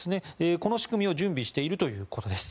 この仕組みを準備しているということです。